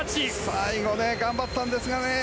最後頑張ったんですがね。